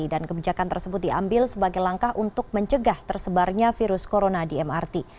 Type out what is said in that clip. dan kebijakan tersebut diambil sebagai langkah untuk mencegah tersebarnya virus corona di mrt